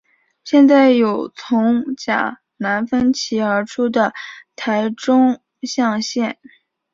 现在有从甲南分歧而出的台中港线。